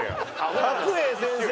角栄先生？